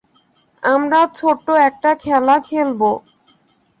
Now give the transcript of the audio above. আমরা ছোট্ট একটা খেলা খেলবো।